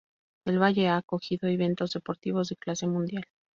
El valle ha acogido eventos deportivos de clase mundial.